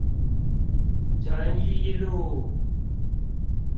仁一路